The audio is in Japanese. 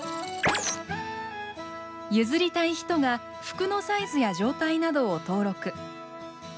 譲りたい人が服のサイズや状態などを登録。